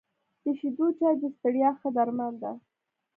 د شيدو چای د ستړیا ښه درمان ده .